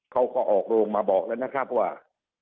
เขาก็ออกโรงมาบอกแล้วนะครับว่า